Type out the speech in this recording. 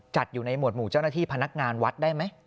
จัดอยู่ในหวดหมู่เจ้าหน้าที่พนักงานวัดได้ไหม